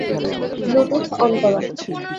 Bluetooth on করো।